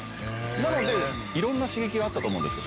なので色んな刺激があったと思うんですよ。